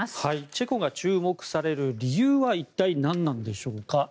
チェコが注目される理由は一体何なんでしょうか。